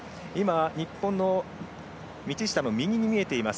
日本の道下の右に見えています